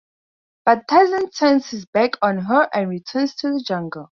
But Tarzan turns his back on her and returns to the jungle.